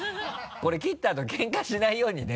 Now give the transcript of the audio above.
これ切ったあとケンカしないようにね。